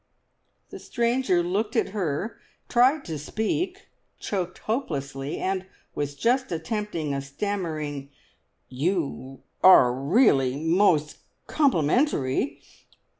The stranger looked at her, tried to speak, choked hopelessly, and was just attempting a stammering, "You are really most complimentary!"